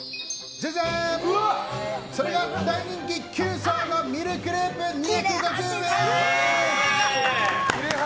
それが、大人気９層のミルクレープ、２５０円！